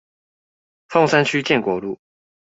鳳山區建國路